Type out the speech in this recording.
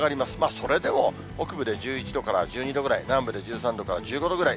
それでも北部で１１度から１２度ぐらい、南部で１３度から１５度ぐらい。